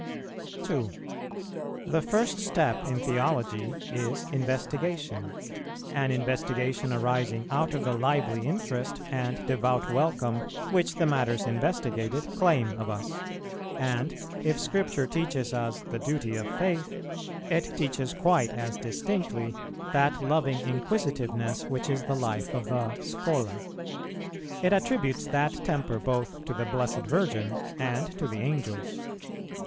2. The first step in theology is investigation, an investigation arising out of the lively interest and devout welcome which the matters investigated claim of us; and, if Scripture teaches us the duty of faith, it teaches quite as distinctly that loving inquisitiveness which is the life of the Schola. It attributes that temper both to the Blessed Virgin and to the Angels.